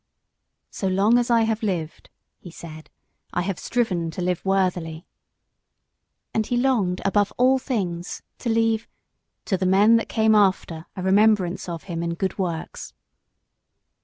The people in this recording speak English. "So long as I have lived," he said, "I have striven to live worthily." And he longed, above all things, to leave "to the men that came after a remembrance of him in good works."